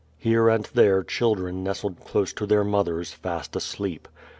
Here and there children nestled close to tlieir mothers, fast asleep.